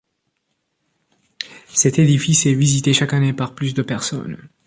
Cet édifice est visité chaque année par plus de personnes.